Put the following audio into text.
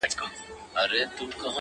زما دي په زړه کي لمبه وه بله -